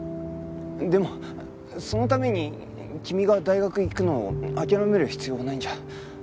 でもそのために君が大学行くのを諦める必要はないんじゃ。